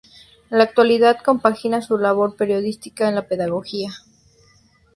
En la actualidad compagina su labor periodística con la pedagógica.